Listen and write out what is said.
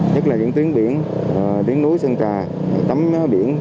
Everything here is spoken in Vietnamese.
nhất là những tuyến biển tuyến núi sân trà tắm biển